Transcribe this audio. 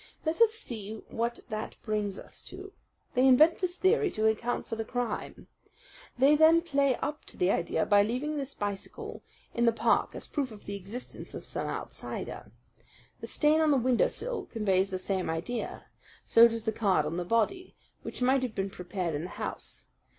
Let us see what that brings us to. They invent this theory to account for the crime. They then play up to the idea by leaving this bicycle in the park as proof of the existence of some outsider. The stain on the windowsill conveys the same idea. So does the card on the body, which might have been prepared in the house.